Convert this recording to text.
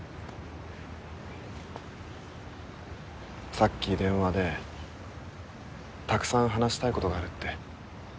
さっき電話でたくさん話したいことがあるって。